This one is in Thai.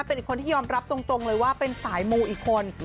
เป็นอีกคนที่ยอมรับตรงเลยว่าเป็นสายมูอีกคน